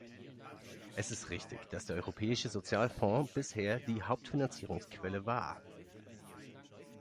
Es ist richtig, dass der Europäische Sozialfonds bislang die Hauptfinanzierungsquelle war.